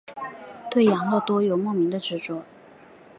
对养乐多有莫名的执着。